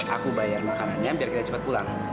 aku bayar makanannya biar kita cepat pulang